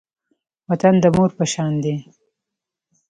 وطن د مور په شان دی